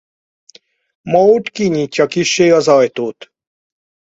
Maud kinyitja kissé az ajtót.